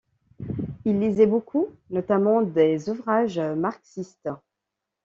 Il lisait beaucoup, notamment des ouvrages marxistes.